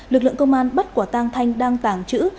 lực lượng công an bắt quả tang thanh đang tàng trữ